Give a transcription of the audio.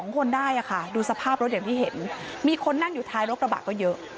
๒คนได้ค่ะดูสภาพรถอย่างที่เห็นมีคนนั่งอยู่ท้ายรถกระบะก็เยอะ